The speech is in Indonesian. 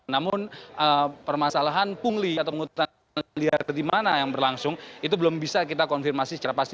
namun permasalahan pungli atau penghutang liar di mana yang berlangsung itu belum bisa kita konfirmasi secara pasti